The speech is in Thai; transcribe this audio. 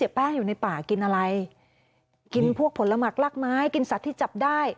แล้วเศษแป้งอยู่ในป่ากินอะไรพนระหมากรักไม้กินสัตว์ที่จับได้